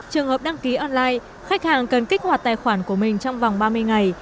trường hợp đăng ký online khách hàng cần kích hoạt tài khoản của mình trong vòng ba mươi ngày